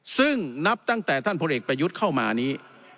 ซึ่งนับตั้งแต่ท่านพลเอกประยุทธ์เข้ามานี้